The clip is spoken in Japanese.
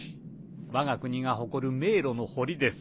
わが国が誇る迷路の堀です。